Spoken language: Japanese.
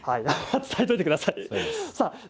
伝えておいてくださいね。